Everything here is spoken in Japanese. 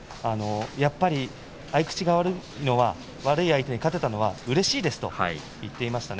やっぱり合い口の悪い相手に勝てたのはうれしいと言っていました。